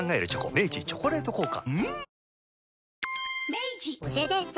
明治「チョコレート効果」